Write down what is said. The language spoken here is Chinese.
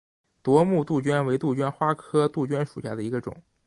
夺目杜鹃为杜鹃花科杜鹃属下的一个种。